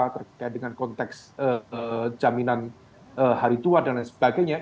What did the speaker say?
terkait dengan konteks jaminan hari tua dan lain sebagainya